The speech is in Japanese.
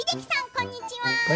こんにちは。